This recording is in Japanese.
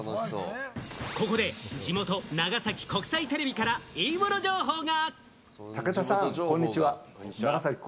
ここで地元・長崎国際テレビからいい物情報が。